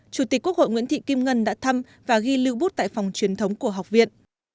chủ tịch quốc hội nguyễn thị kim ngân đã thăm và ghi lưu bút tại phòng truyền thống của học viện